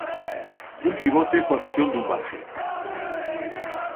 Un pivote coa visión dun base.